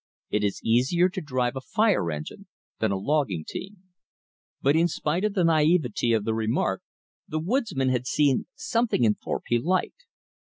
It is easier to drive a fire engine than a logging team. But in spite of the naivete of the remark, the woodsman had seen something in Thorpe he liked.